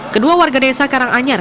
kedua warga desa karanganyar